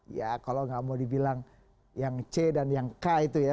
ya kalau nggak mau dibilang yang c dan yang k itu ya